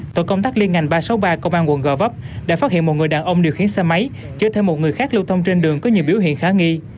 tội công tác liên ngành ba trăm sáu mươi ba công an quận gò vấp đã phát hiện một người đàn ông điều khiến xe máy chở thêm một người khác lưu thông trên đường có nhiều biểu hiện khả nghi